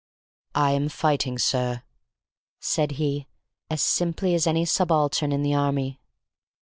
"I am fighting, sir," said he, as simply as any subaltern in the army.